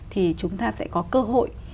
thì chúng ta sẽ có cơ hội